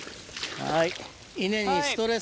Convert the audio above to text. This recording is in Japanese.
はい。